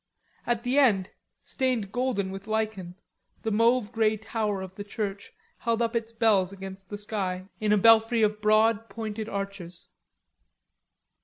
At the end, stained golden with lichen, the mauve grey tower of the church held up its bells against the sky in a belfry of broad pointed arches.